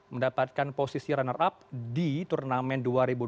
mendapatkan posisi runner up di turnamen dua ribu dua puluh